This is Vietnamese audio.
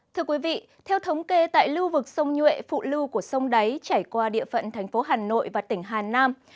thưa quý vị theo thống kê tại lưu vực sông nhuệ phụ lưu của sông đáy trải qua địa phận thành phố hà nội và tỉnh hà nam